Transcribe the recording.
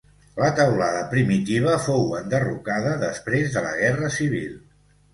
La teulada primitiva fou enderrocada després de la guerra civil.